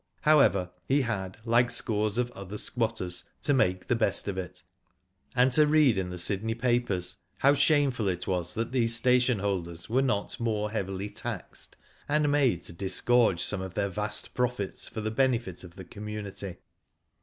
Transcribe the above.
.However, he had, like scores of other squatters, to ma4ce the best ot it, and to read in the Sydney papers how shameful it was that thesa station holders were not more heavily taxed and made to disgorge some of their vast profits for the benefit of the community.